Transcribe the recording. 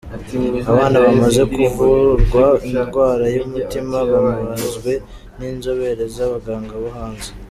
Abana bamaze kuvurwa indwara y’umutima babazwe n’inzobere z’abaganga bo hanze